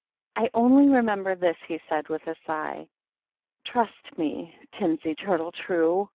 '' I only remember this," he said, with a sigh :"^ Trust me, timsy turtle true